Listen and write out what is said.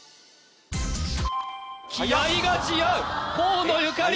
気合いが違う河野ゆかり